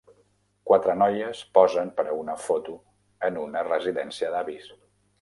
Quatre noies posen per a una foto en una residència d'avis.